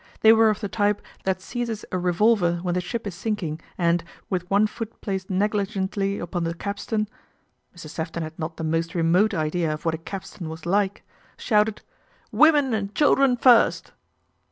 They were of the type that seizes a revolver when the ship is sink ing and, with one foot placed negligently upon the capstan (Mr. Sefton had not the most remote idea of what a capstan was like) shouted, " Women and children first."